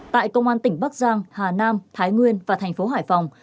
tại công an tỉnh bắc giang hà nam thái nguyên và thành phố hải phòng